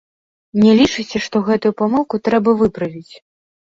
Не лічыце, што гэтую памылку трэба выправіць?